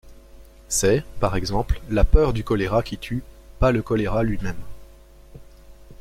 C'est, par exemple, la peur du choléra qui tue, pas le choléra lui-même.